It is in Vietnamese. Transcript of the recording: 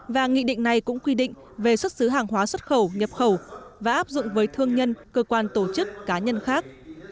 và nghị định này cũng quy định về xuất xứ hàng hóa xuất khẩu nhập khẩu và áp dụng với thương nhân cơ quan tổ chức cá nhân khác